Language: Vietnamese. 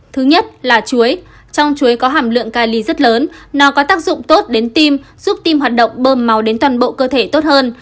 thứ nhất là chuối trong chuối có hàm lượng ca ly rất lớn nào có tác dụng tốt đến tim giúp tim hoạt động bơm máu đến toàn bộ cơ thể tốt hơn